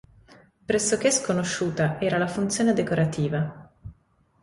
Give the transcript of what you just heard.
Pressoché sconosciuta era la funzione decorativa.